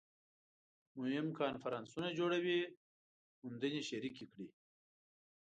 مهم کنفرانسونه جوړوي موندنې شریکې کړي